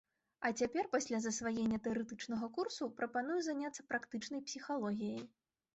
А цяпер, пасля засваення тэарэтычнага курсу, прапаную заняцца практычнай псіхалогіяй.